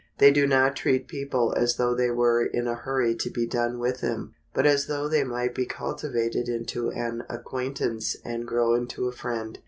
They do not treat people as though they were in a hurry to be done with them, but as though they might be cultivated into an acquaintance and grow into a friend.